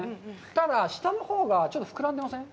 ただ、下のほうがちょっと膨らんでません？